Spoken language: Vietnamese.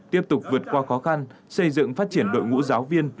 tiếp tục vượt qua khó khăn xây dựng phát triển đội ngũ giáo viên